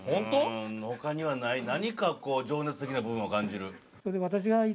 他にはない何かこう情熱的な部分を感じる。